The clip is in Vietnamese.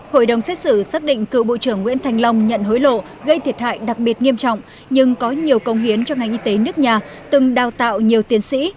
hội đồng xét xử xác định cựu bộ trưởng nguyễn thành long nhận hối lộ gây thiệt hại đặc biệt nghiêm trọng nhưng có nhiều công hiến cho ngành y tế nước nhà từng đào tạo nhiều tiến sĩ